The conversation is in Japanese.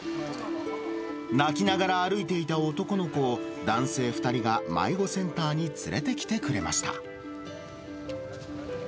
泣きながら歩いていた男の子を、男性２人が迷子センターに連れてきてくれました。